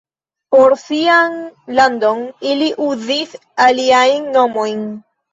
Por sian landon ili uzis aliajn nomojn.